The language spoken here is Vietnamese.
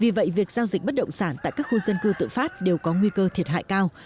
vì vậy việc giao dịch bất động sản tại các khu dân cư tự phát đều có nguy cơ thiệt hại cao